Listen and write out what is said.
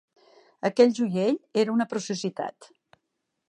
Aquell joiell era una preciositat.